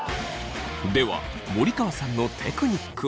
では森川さんのテクニックを。